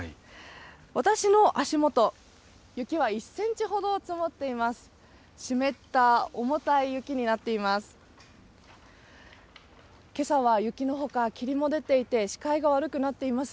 私の足元、雪は１センチほど積もっています。